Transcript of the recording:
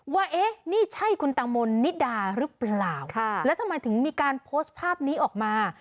ว่าเอ๊ะนี่ใช่คุณตังโมนิดาหรือเปล่าแล้วทำไมถึงมีการโพสต์ภาพนี้ออกมา